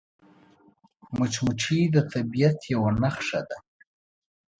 مچمچۍ د طبیعت یوه نښه ده